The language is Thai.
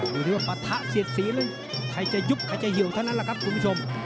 อยู่ที่ว่าปะทะเสียดสีแล้วใครจะยุบใครจะเหี่ยวเท่านั้นแหละครับคุณผู้ชม